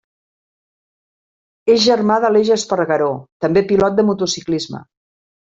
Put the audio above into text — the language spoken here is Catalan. És germà d'Aleix Espargaró, també pilot de motociclisme.